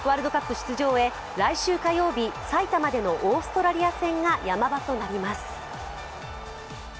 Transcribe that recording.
出場へ来週火曜日、埼玉でのオーストラリア戦がヤマ場となります。